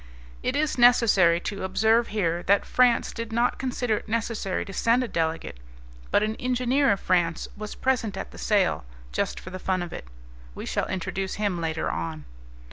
It is necessary to observe here that France did not consider it necessary to send a delegate, but an engineer, of France, was present at the sale, just for the fun of it. We shall introduce him later on.